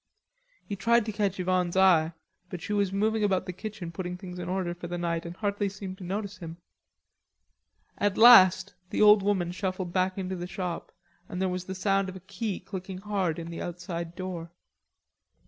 He tried to catch Yvonne's eye, but she was moving about the kitchen putting things in order for the night, and hardly seemed to notice him. At last the old woman shuffled into the shop and there was the sound of a key clicking hard in the outside door.